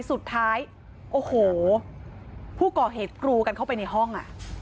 สุดท้ายโอ้โหผู้ก่อเหตุกรูกันเข้าไปในห้อง